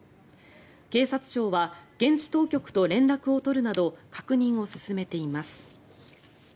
警察庁は現地当局と連絡を取るなど確認を進めています。